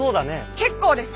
結構です！